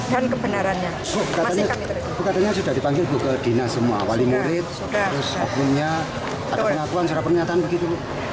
wali murid terus akunnya ada pengakuan secara pernyataan begitu